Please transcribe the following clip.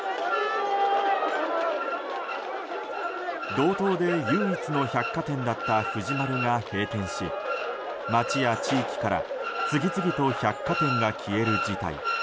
道東で唯一の百貨店だった藤丸が閉店し街や地域から次々と百貨店が消える事態。